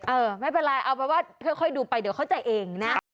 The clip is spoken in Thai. เออไม่เป็นไรเอาเป็นว่าค่อยดูไปเดี๋ยวเข้าใจเองนะ